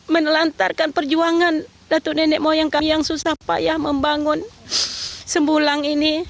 menelantarkan perjuangan datuk nenek moyang kami yang susah payah membangun sembulang ini